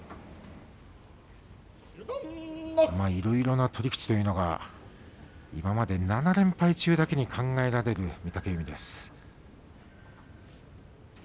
いろいろな取り口というのが、今まで７連敗中だけに考えられる御嶽海です。